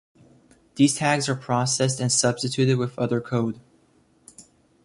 These tags are processed and substituted with other code.